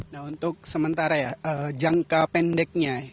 nah untuk sementara ya jangka pendeknya